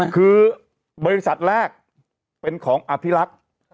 คือบริษัทแรกเป็นของอภิรักษ์